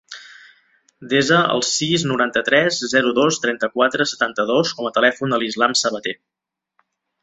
Desa el sis, noranta-tres, zero, dos, trenta-quatre, setanta-dos com a telèfon de l'Islam Sabate.